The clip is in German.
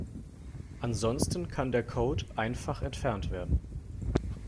Ansonsten kann der Code einfach entfernt werden.